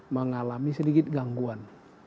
mengalami sedikit gangguan